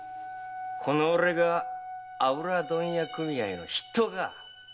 この俺が油問屋組合の筆頭か悪くねえ！